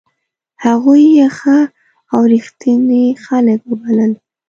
هغوی یې ښه او ریښتوني خلک وبلل.